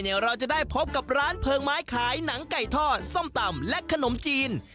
เดี๋ยวเราจะได้พบกับร้านเพลิงไม้ขายหนังไก่ทอดส้มตำและขนมจีน